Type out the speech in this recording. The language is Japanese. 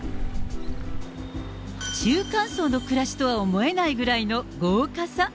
中間層の暮らしとは思えないぐらいの豪華さ。